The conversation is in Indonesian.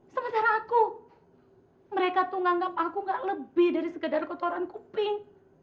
sementara aku mereka tuh menganggap aku gak lebih dari sekedar kotoran kuping